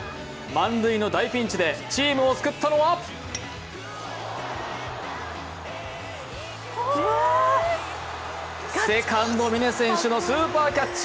満塁の大ピンチでチームを救ったのはセカンド・峯選手のスーパーキャッチ。